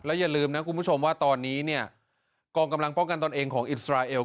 อย่าลืมนะคุณผู้ชมว่าตอนนี้เนี่ยกองกำลังป้องกันตนเองของอิสราเอล